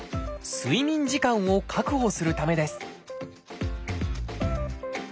睡眠時間を確保するためです